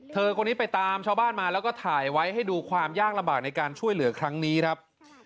คนนี้ไปตามชาวบ้านมาแล้วก็ถ่ายไว้ให้ดูความยากลำบากในการช่วยเหลือครั้งนี้ครับ